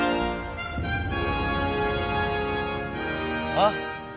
あっ。